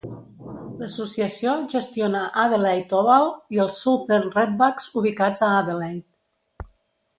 L'associació gestiona Adelaide Oval i els Southern Redbacks ubicats a Adelaide.